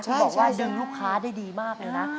ใช่ที่บอกว่าดึงลูกค้าได้ดีมากเลยนะใช่